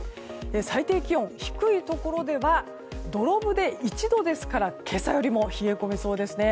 最低気温、低いところでは土呂部で１度ですから今朝よりも冷え込みそうですね。